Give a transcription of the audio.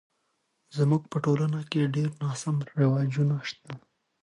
زموږ په ټولنه کې ډیر ناسم رواجونه شته